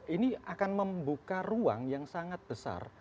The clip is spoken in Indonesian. ini akan membuka ruang yang sangat besar